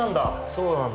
そうなんだ。